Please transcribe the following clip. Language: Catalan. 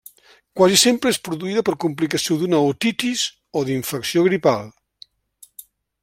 Quasi sempre és produïda per complicació d’una otitis o d'infecció gripal.